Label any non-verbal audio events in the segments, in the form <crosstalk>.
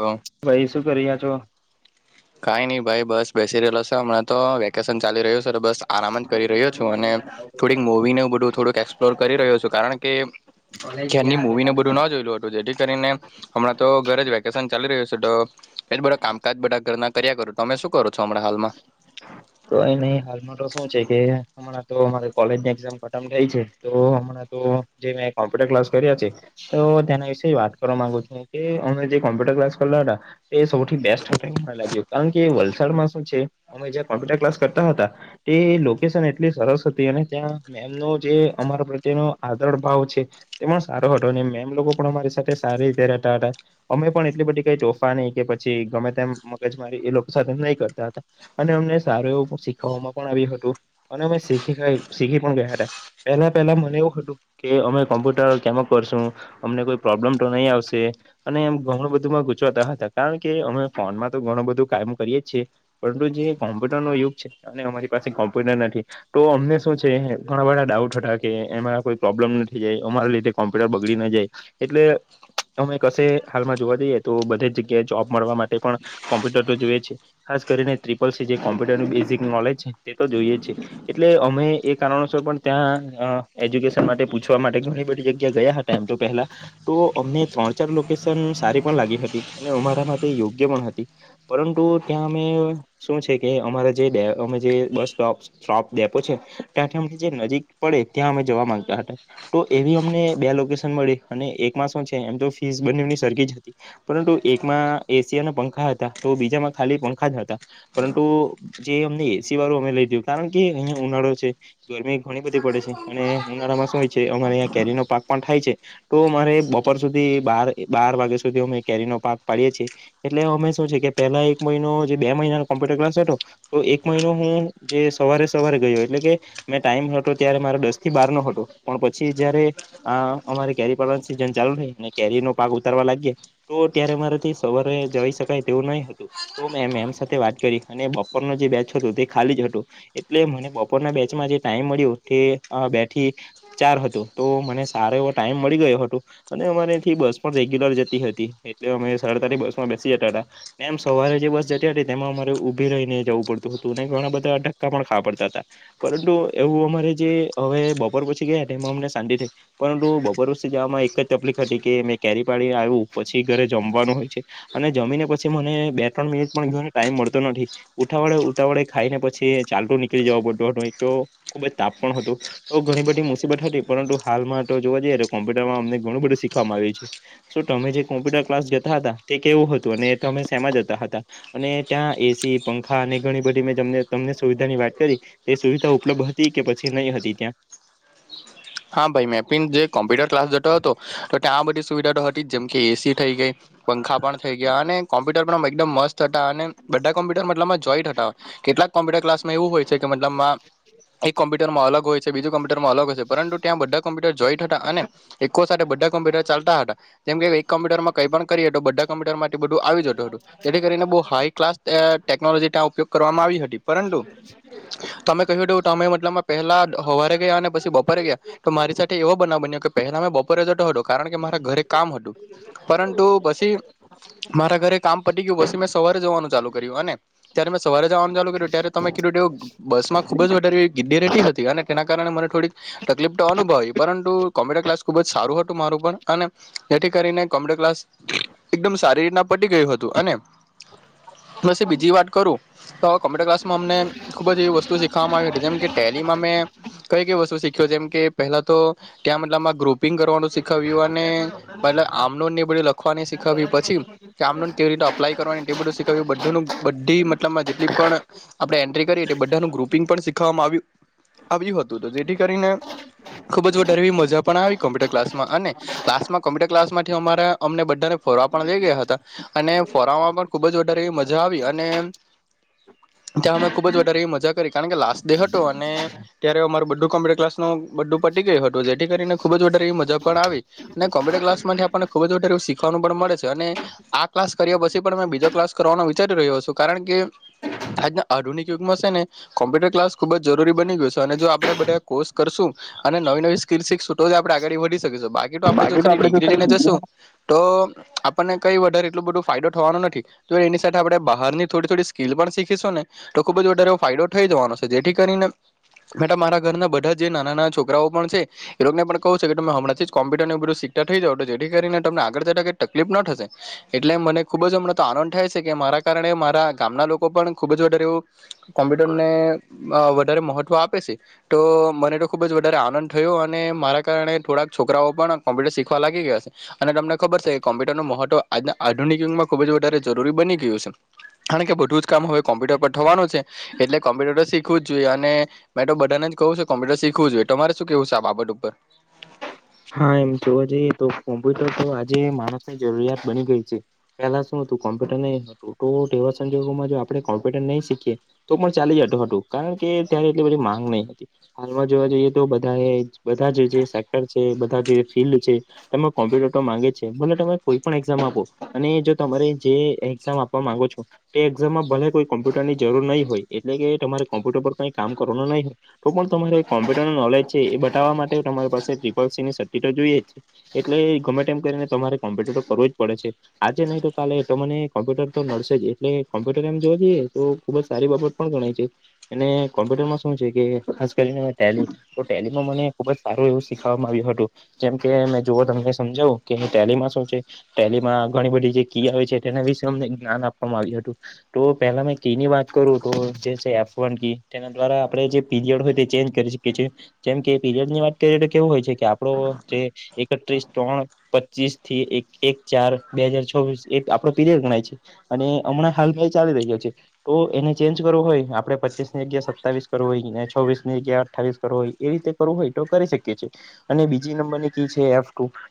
તો ભાઈ શું કરીયા છો? કાંઈ નહી ભાઈ બસ બેસી રહેલો છે હમણાં તો વેકેશન ચાલી રહ્યું બસ આરામ જ કરી રહ્યો છું અને થોડીક મૂવીને એવું બધું થોડુંક એક્સપ્લોર કરી રહ્યો છું કારણ કે કોલેજ ક્યાારની ગયા હવે મૂવીને કાલે બધું ના જોયેલું હતું જેથી કરીને હમણાં તો ઘરે જ વેકેશન ચાલી રહ્યું છે તો એટલે બધો કામકાજ બધા ઘરના કર્યા કરો તમે શું કરો છો હમણાં હાલમાં કઈ નઈ હાલ મા તો શું છે કે હમણાં તો અમારે કોલેજની એક્ઝામ ખતમ થઈ છે તો હમણાં તો જે મેં કોમ્પ્યુટર ક્લાસ કર્યા છે તો તેના વિશે વાત કરવા માંગુ છું કે અમે જે કોમ્પ્યુટર ક્લાસ કરલા હતા તે સૌથી બેસ્ટ હતો. લાગ્યો કારણ કે વલસાડમાં અમે જ્યાં કોમ્પ્યુટર ક્લાસ કરતા હતા તે લોકેશન એટલી સરસ હતી અને ત્યાં મૅમનો જે અમારી પ્રત્યેનો આદર ભાવ છે તે પણ સારો હતો અને મેમ લોકો પણ અમારી સારી રહેતા હતા અમે પણ એટલી બધી કઈ તોફાની કે પછી ગમે તેમ મગજ મારી એ લોકો સાથે નહી કર અને અમને સારું એવું શીખવામાં પણ આવ્યું હતું અને અમે શીખ શીખી પણ ગયા હતા. પેલા પેલા મને એવું હતું કે અમે કોમ્પ્યુટર કેમનું કરશું અમને કોઈ પ્રોબ્લેમ તો નહી આવશે? અને એમ ઘણું બધુંમાં ગુચવાતા હતા કારણ કે અમે ફોનમાં તો ઘણું બધું કામ કરીએ છએ પરંતુ જે કોમ્પ્યુટર નો યુગ છે અને અમારી પાસે કોમ્પ્યુટર નથી તો અમને શું છે ઘણા બધા ડાઉટ હતા કે એમાં કોઈ પ્રોબ્લેમ નથી જાય અમારા લીધે કોમ્પ્યુટર બગડી ના જાય એટલે કશે હાલમાં જોવા જઈએ તો બધે જગ્યાએ જોબ મળવા માટે પણ કોમ્પ્યુટર તો જોઈએ છે. ખાસ કરીને ત્રિપલ સી જે કોમ્પ્યુટરનું બેઝિક નોલેજ છે તે તો જોઈએ છે એટલે અમે એ કારણોસર પણ ત્યાં એજ્યુકેશન માટે પૂછવા માટે ઘણી બધી જગ્યા ગયા હતા એમ તો પહેલા તો અમને લોકેશન સારી પણ લાગી હતી અને અમારા માટે યોગ્ય પણ હતી. પરંતુ ત્યાં શું છે કે અમારા જે અમે જે બસ સ્ટોપ ડેપો છે ત્યાંથી નજીક પડે ત્યાં અમે જવા માંગતા હતા તો એવી અમને બે લોકેશન મળી અને એકમાં શુ છે એ તો ફીસ બન્નેની સરખી જ હતી પરંતુ એકમાં એશિ અને પંખા હતા તો બીજામાં ખાલી પંખા પરંતુ જે અમે એસી વાળું અમે લીધુ કારણ કે અહીયા ઉનાળો છે ગરમી ઘણી બધી પડે છે અને ઉનાળામા શું અમારેં કેરી નો પાક પણ થાય છે તો અમારે બપોર સુધી બાર વાગ્યા સુધી અમે કેરી પાક પાડીએ છીએ એટલે અમે શું છે કે પેલા એક મહિનો બે મહિનાનો કોમ્પ્યુટર ક્લાસ હતો તો એક મહિનો હું જે સવારે સવારે ગયો એટલે કે મે ટાઈમ ત્યારે મારો દસ થી બાર નો હતો પણ પછી જયારે આ અમારે કેરી પડવાની સીઝન ચાલુ થ કેરી નો પાગ ઉતારવા લાગીએ તો ત્યારે મારાથી સવારે જઈ શકાય તેવું નહી હતું એમ સાથે વાત કરી અને બપોર ન જે બેચ હતો તે ખાલી જ હતું એટલે મને બપોરના બેચમાં જે બે થી ચાર હતો તો મને સારો એવો ટાઈમ મળી ગયો હતો અને થી બસ પણ રેગ્યુલર જતી હતી એટલે અમે સાડા બસ માં બેસી જતા હતા એમ સવારે જે બસ તેમાં અમારે ઉભી રહીને જવું પડતું હતું અને ઘણા બધા ધક્કા પણ ખાવા પડતા હતા પરંતુ અમારે જે હવે બપોર પછી ગયા એમાં અમને શાંતિ થઈ પરંતુ બપોરથી જવામાં એક જ તકલીફ કે મેં કેરી પાડી આવ્યું પછી ઘરે જમવાનું હોય છે અને જમીને પછી મને બે ત્રણ મિનિટ પણને ટાઈમ મળતો નથી ઉઠા વડે ઉતા વળે ખાઈ ને પછી ચાલતો નીકળી જવો પો તો ખુબ જ તાપ પણ હતું તો ઘણી બધી મુસીબત હતી પરંતુ હાલમાં તો જોવા જઈએ તો કોમ્પુટરમાં અમને ઘણું બધું શીખ તમે જે કોમ્પ્યુટર ક્લાસ જતા હતા તે કેવું હતું અને એ તમે શેમાં જતા હતા અને ત્યાં એસી પંખા અને ઘણી બધી મે તમને સુવિધા ની વાત કરી તે સુવિધા ઉપલબ્ધ હતી કે પછી નહી હતી ત્યાં હા ભાઈ મેપીન જે કોમ્પ્યુટર ક્લાસ જતો હતો ત્યાં બધી સુવિધા તો હતી જેમ કે એસી થઈ ગઈ પંખા પણ થઈ ગયા અને કોમ્પ્યુટર મ મસ્ત હતા અને બધા કોમ્પ્યુટરલ જો કેટલાક કોમપ્યુટર ક્લાસ માં એવું હોય છે કે મતલબમાં એક કોમ્પ્યુટરમાં અલગ હોય છે બીજું કોમ્પ્યુટરમાં અલગ હોય પરંતુ ત્યાં બધા કોમ્પ્યુટર જોઈટ હતા અને એકકો સાથે બધા કોમ્પ્યુટર ચાલતા હતા જેમ કે એક કોમ્પ્યુટરમાં કઈ પણ કરી તો બધા કમ્પ્યુટર માટે બધું આવી જતું હતું જેથી કરીને બહુ હાઈ ક્લાસ ટેક ટેકનોલોજી ત્યાં ઉપયોગ કરવામાં આવી હતી પરંતુ તમે કહ્યું હતું તમે મતલબ પહેલા હોવારે ગયા અને પછી બપોરે ગયા તો મારી સાથે એવો બનાવ બન્યો કે પહેલા મેં બપોરે જતો હતો કારણ કે મારા ઘરે કામ હતું પરંતુ પછી મારા ઘરે કામ પટી ગયું પછી મેં સવારે જવાનું ચાલુ કર્યું અને ત્યારે મેં સવારે જવાનું ચાલુ કર્યું ત્યારે તમે- બસ માં ખુબ જ વધારે ગીડી રેટી હતી અને તેના કારણે મને થોડીક કલીપ તો અનુભવી પરંતુ કોમ્પ્યુટરમાં ક્લાસ ખુબ જ સારું હતું મારું પણ અને જેથી કરીને કોમ્પ્યુટર ક્લાસ એકદમ સારી રીતના પટી ગયું હતું અને હ <inaudible> પછી બીજી વાત કરું તો કોમ્પ્યુટર ક્લાસમાં અમને ખુબ જ એવી વસ્તુ શીખવામાં આવી છે જેમ કે ટેલીમાં કઈ કઈ વસ્તુીખ્યો જેમ કે પેલા તો ત્યાં મત ગ્રુપ કરવાનું શીખાવ્યું અને મતબ આમનો ની બધી લખવાની શીખાવ પછી કે આમનો કેવી રીતે અપ્લાય કરવાનીને ટેબલું શીખવ્યું બધુંનું બધી મ જેટ પણ આપણે એન્ટ્રી કરી બધાનું ગ્રુપિંગ પણ શીખવામાં આવ આવ્યું હતું જેથી કરીને ખુબ જ વધારે એવી મજા પણ આવી કોમ્પ્યુટર ક્લાસમાં અને લાસ્ટમાં કોમ્પ્યુટર ક્લાસમાંથી અમારા અમને બા ફોરવા પણ લઈ ગયા હતા અને ફોરવામાં પણ ખુબ જ વધારે મજા આવી અને <unintelligible> ત્યાં અમે ખુબ જ વધારે એવી મજા કરી કારણ કે લાસ્ટ ડે હતો અને ત્યારે અમારૂ બધું ક્સ ન બું પટી ગયું હતું જેથી કરીને ખુબ જ વધારે એવી મજા પણ આવી અને કોમ્પ્યુટર ક્લાસ માટે આપ ખુબ જ શીખવાનું પણ મળે છે અને આ ક્લાસ કર પછી પણ મે બીજો ક્લાસ કરવાનો વિચારી રહ્યો છું કારણ કે આજના આધુનિક યુગમાં છે ને કોમ્પ્યુટર ક્લાસ ખુબ જરૂરી બની ગયું છે અને જો આપણે બધા- કોર્સ કરશું અને નવી નવી સ્કીલ સીખશુ તો જ આપણે આગાડી વધી શકીશ બા આપડે જો બાકી તો ખાલી તો ડિગ્રી લઈને જશું ખરી તો આપણને કઈ વઢારે એટલું બધું ફાયદો થવાનો નથી તો એની સાથે આપણે બહાર ની થોડી થોડી સ્કીિલ પણ શીખીશું ને તો ખુબ જ વધારે ફાયદો થઈ જવાનો છે જેથી કરીને મેં તો મારા ઘરના બ જે નાના નાના છોકરાઓ પણ છે એ લોકોને પણ કવું છે કે તમે હમંથી જ કોમ્પ્યુટરમાં નેધું સીક્ટતા થઈ જાવ છો જેથી કરીને ત આગળતા તકલીફ ન થશે એટલે મને ખુબ જ હમ તો આનંદ થાય છે કે મારા કારણે મારા ગામના- લોકો પણ ખૂબ જ વધારે કોમ્પ્યુટરને અ વધારે મહત્વ આપે છે તો મને તો ખુબ જ વધારે આનંદ થયો અને મારા કારણે થોડાક છોકરાઓ પણ કોમ્પ્યુટર શીખવા લાગી ગયા છે અને તમને ખબર છે કે કોમ્પ્યુટર નનું મહત્વના આધુ આધુનિક યુગમાં ખુબ જ વધારે જરૂરી બની ગયું છે કારણ કે કામ હવે કોમ્પ્યુટર પર થવાનું છે, એટલે કોમ્પ્યુટર શીખવું જ જોઈએ અને મેં તો બધાને જ કહ કોમ્પ્યુટર શીખવું જોઈએ તમારે શું કેવું છે, આ બાબત ઉપર. હા એમ જોવા જઈએ તો કોમ્પ્યુટર તો આજે માણસની જરૂરિયાત બની ગઈ છે, પેલા. કોમ્પ્યુટર ન એવા સંજોગોમાં જો આપણે કોમ્પ્યુટર નહી શીખીએ તો પણ ચાલી જત હતું. કે ત્યારે એટલી બધી માંગ નહી હતી હાલમાં જોવા જઈએ તો બધા બધા જ જે સેક્ટર. <unintelligible> છે, એ કોમ્પ્યુ માંગે છે, ત કોઈ પણ એઝામ આપો અને જો તમારે જે એક્ઝામ આપવા માંગો છો તે એક્ઝામમાં ભલે કોઈ કોમ્પ્યુટર ની જરૂર નહીં હોય એટલે કે તમારે. કોમ્પ્યુટર પર કઈ કામ કરવાનું નહીં હોય તો પણ તમારે કોમ્પ્યુટર ન નોજ છે, એ બટવવા માટે તમારી પાસે. <unintelligible> તો જોઈએ જ એટલે ગમે તેમ કરીને તમારે <unintelligible> કરવું જ પડે છે, આજે નહીં તો. ચાલે તો મને કોમ્પ્યુટર તો નડશે જ એટલે કોમ્પ્યુટર એમ જો જઈએ તો ખુબ જ સારી બાબત પણ ગણાય છે. અને કોમ્પ્યુટરમાં શું છે કે ખાસ કરીને ટેલીમ તો ટેલીમાં મને ખુબ જ સારું એવુંીખ આવ્યું હતું જેમ કે મે જુવ તમને સમજાવું કે પલીમાં શું છે, તેલીમાં ઘણી બધી. <unintelligible> તેના વિશેમને જ્ઞાન આપવામાં આવ્યું હતું તો પેલા મે કી ની વાત કરું તો જે <unintelligible> દ્વારા આપ જે પીરડ હોય તે ચેજ કરી શકી છીએ જેમ કે પીરડ ની વાત કરી. કેવું હોય છે, કે આપડો જે એકત્રીસ ત્રણ પચીસ થી એક ચાર બે હજાર આપણો પીરિયડ ગણાય છે, અને હમણાં હાલ ક ચાલી રહ્યો છે, તો એને ચેન્જ કરવો હોય. આપડે પચીસ ની જગ્યા સતાવીસ કરવી હોય ને છોવીસની જગ્યા અઠ્ઠીસ કરવ હોય એ રતે કરવું હોય તો કરી શકીએ. અને બીજી નંબરની કી છે,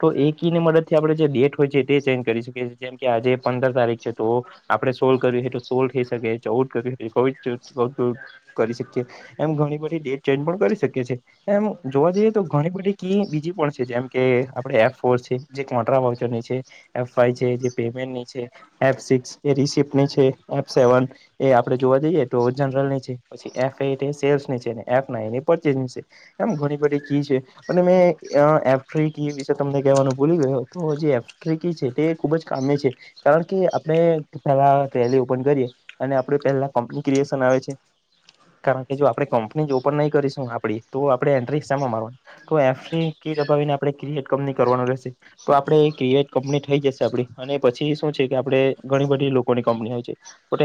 <unintelligible> કી ની મદદથી આપે જે ડેટ હોય છે, તે ચેન્જ કરી. <unintelligible> જેમ કે આજે પંદર તારીખ છે, તો આપડે સોલ્વ કર્યું છે, તો સોલ્વ થઈ શકે ચૌ <unintelligible> <unintelligible> શકી એમ ઘણી બધી ડેટ ચેન્જ પણ કરી <unintelligible> એમ જોવા જઈએ. તો ઘણી બધી કી બીજી પણ છે, જેમ કે આપડે એફ ફોર છે જે <unintelligible> વાઉચરની છે, એફ ફાઈવ. <unintelligible> એ સેવન એ આપડે જોવા જઈએ. જનરલ ની છે, પછી <unintelligible> એમ ઘણી બધી. અને મે એફ્રિકી વિશે તમને કહેવાનું ભૂલી ગયો તો જે એફ્રિકી છે, તે. <unintelligible> જ કામ કારણ કે આપણે પેલા રેલી ઓપન કરીએ અને આપે પેલા કન <unintelligible> આવે છે, કારણ કે જો આપણે <unintelligible> જ ઓપન નહી કરીશું આપડી તો આપણે એન્ટ્રી. <unintelligible> કંપની કરવાનું રહેશે તો આપણે એ <unintelligible> કંપની. <unintelligible> જશે આપ અને પછી શું છે, કે આપડે ઘણી બધી લોકો ની કંપની હોય છે,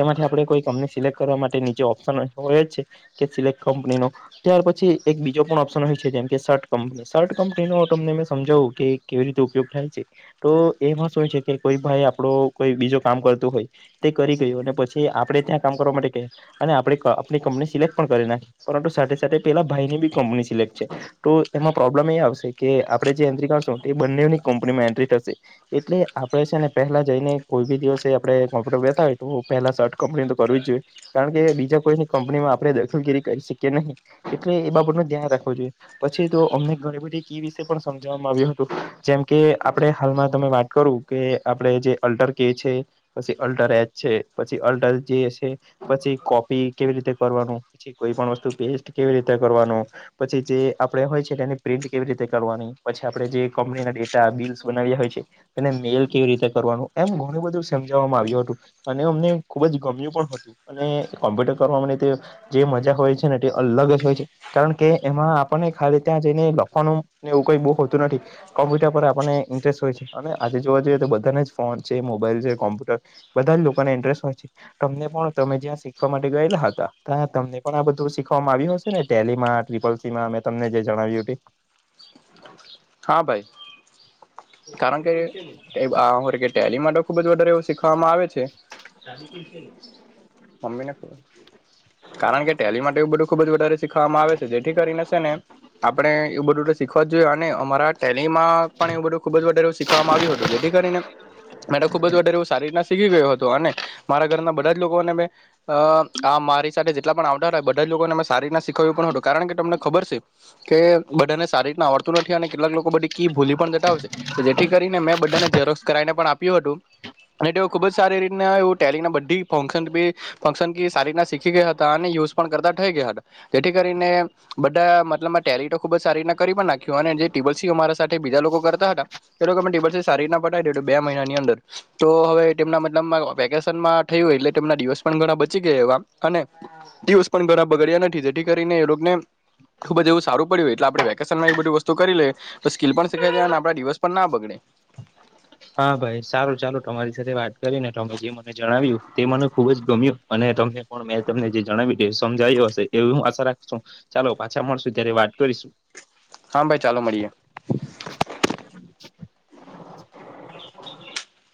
એમાંથી <unintelligible> કોઈ કંપની સિલેક કરવા માટે નીચે ઓપ્શન હોય છે, કે સિલેક્ટ કંપની નો ત્યાર પછી એક બીજો પણ ઓપ્શન હોય. <unintelligible> ન તમને સમાવું કે કેવી રીતે ઉપયોગ થાય છે, તો એ. <unintelligible> કોઈ ભાઈ આપડ કોઈ બીજો કામ કરતું હોય તે કરી ગયું અને પછી આપડે ત્યાં કામ કરવા. <unintelligible> અને આપણેની કંપની સિલેક્ટ પણ કરી નાખી પરંતુ સાથે સાથે પેલા ભાઈની બી કંપની સિલેક્ટ. તો એમાં પ્રોબ્લેમ એ આવશે કે આપણે જે એન્ટ્રી કરશું એ બંનેની કંપનીમાં એન્ટ્રી થશે. એટલે આપણે છે, ને પહેલા જઈને કોઈ બી દિવસે આપણે કોમ્પ્યુટર બેતા હોય તો પહેલા સર્ટ કંપની તો કરવી જ જોઈએ. કારણ કે બીજા કોઈની કંપનીમાં આપણે દખલગીરી કરી શકીએ <unintelligible> એટલે એ બાબત ન ધ્યાન રાખવું જોઈએ. પછી તો અમને ઘણી બધી કી વિશે પણ સમજવામાં આવ્યું હતું જેમ કે આપણે હાલમાં તમે વાત. કરું કે આપણે જે અલ્ટર કે છે, પછી અલ્ટર એચ છે, પછી અલ્ટર જે છે. પછી કોપી કેવી રીતે કરવાનું પછી કોઈ પણ વસ્તુ પેસ્ટ કેવી રીતે કરવાનું પછી. જે આપડે હોય છે તેની પ્રિન્ટ કેવી રીતે કરવાની પછી આપડણે જે કંપનીના ડેટા બીલસ બનાવ્યા હોય છે. એને મેલ કેવી રીતે કરવાનું એમ ઘણું બધું સમજાવવામાં આવ્યું હતું અને અમને ખુબ જ ગમ્યું પણ હતું. અને કોમ્પ્યુટર કરવા <unintelligible> જે મજા હોય છે, ને તે અલગ જ હોય છે, કારણ કે એમાં આપણને ખાલી ત્યાં જઈને લખવાનું એવું કઈ બહુ હોતું નથી કોમ્પ્યુટર પર આપણને ઇન્ટરેસ્ટ હોય છે. અને આજે જોવા જઈએ તો બધાને જ ફોન છે, મોબાઈલ છે, કોમ્પ્યુટર બધા જ લોકોને ઇન્ટરેસ્ટ હોય છે, <unintelligible> તમે જ્યાં શીખવા માટે ગયેલા હતા ત્યાં તમને પણ આ બધું શીખવાવામાં આવ્યું હશે ને ટેલી ટ્રિપલસી માં <unintelligible> તમને જે જણાવ્યું હતું. હા ભાઈ કારણ કે ટેલી માટે ખુબ જ વધારે રહ્યો. શીખવામાં આવે છે, મમ્મીને ખબર. કારણ કે ટેલી માટે એવું બધું ખુબ જ વધારે શીખવામાં આવે છે, જેથી કરીને છે, ને. આપડણે એવું <unintelligible> શીખવા જ જોયએ અને મરા એનીમાં પણ એવું બધું ખુબ જ વધારે <unintelligible> શીખવાવામાં આવ્યું હતું જેથી કરીને. મેને ખુબ જારે એવું સારી રીતના શીખી ગયયો હતોું અને મારા ઘરના બધા જ લોકોને મે અ આ મારી સાથે જે એટલા પણ આવડતા હોય બધા જ લોકોને ટલા બી આવતા તા એ બધા છોકરા ને અમે સારી રીતના શીખવ્યું પણ હતું કારણ કે તમને ખબર છે કે બધાને સારીીતના આવડતા નથી અને કેટલાક લોકો બી કી ભૂલી પણ જતાશે જેથી કરીને મેં બધાને ઝેરોક્ષ કરાવી ને પણ આપ્યું હતું અને તેઓ ખુબ જ સારી રીતના એ ટેલી બધી ફંક્શની ફંક્શન સારી રીતના શીખી ગયા હતા અને યુઝ પણ કરતા થઈ ગયા હતા જેથી કરીને બધા એટેલી તો ખુબ સારીને કરી પણ નાખી જે ટેબલ સી મારી સાથે બીજા લોકો કરતા હતા એ લોકોમે ટટેબલ સારીીતના પાવીધ બે મહિનાની અંદર તો હવે તેમના મતલબ વેકેશનમાં થયું એટલે તેમના દિવસ પણ ઘણા બચી ગયા એવા અને દિવસ પણ બધા બગડ્યા નથી જેથી કરીને એ રગ ને ખૂબ જ એવું સારું પડ્યું એટલે આપણેેકેશન માં વસ્તુ કરી લે સ્કીલ પણ શીખાય અને આપડા દિવસ પણ ના બગડે હા ભાઈ સારું ચાલો તમારી સાથે વાત કરીને તમે જે મને જણાવ્યું તે મને ખુબ જ ગમ્યું અને તમને મેં તમને જે જણાવ્યું સમજાય્યું હશે એવી હું આશા રાખ છું ચાલો પાછા મળશું ત્યારે વાત કરી પશું હા ભાઈ ચાલુ મળીએે